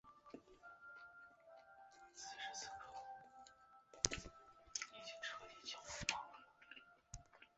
常被视为研究广告效果提升的市场调研的一个分支领域。